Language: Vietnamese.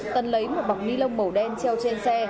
tân lấy một bọc ni lông màu đen treo trên xe